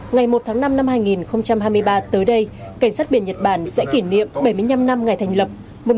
ngày một tháng năm năm hai nghìn hai mươi ba tới đây cảnh sát biển nhật bản sẽ kỷ niệm bảy mươi năm năm ngày thành lập một nghìn chín trăm bốn mươi tám hai nghìn hai mươi ba